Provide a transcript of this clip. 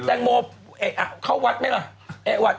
แตงโมเข้าวัดไหมล่ะ